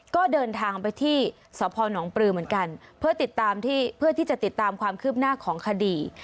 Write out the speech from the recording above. ก็เดินทางไปที่สภหนองปลือเหมือนกันเพื่อที่จะติดตามความคืบหน้าของคดี